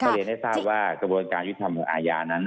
เรียนให้ทราบว่ากระบวนการยุทธธรรมของอาญานั้น